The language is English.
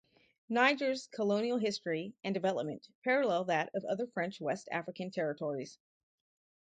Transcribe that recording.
Niger's colonial history and development parallel that of other French West African territories.